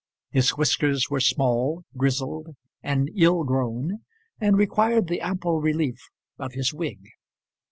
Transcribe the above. His whiskers were small, grizzled, and ill grown, and required the ample relief of his wig.